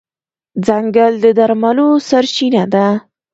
ځنګل د درملو سرچینه ده.